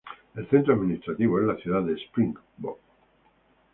El centro administrativo es la ciudad de Springbok.